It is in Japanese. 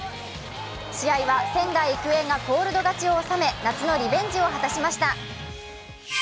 試合は仙台育英がコールド勝ちを収め夏のリベンジを果たしました。